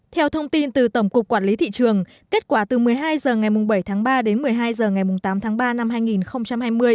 theo thông tin từ tổng cục quản lý thị trường kết quả từ một mươi hai h ngày bảy tháng ba đến một mươi hai h ngày tám tháng ba năm hai nghìn hai mươi